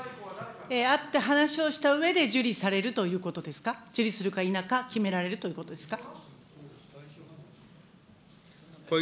会って話をしたうえで受理されるということですか、受理するかいなか決められるということですか。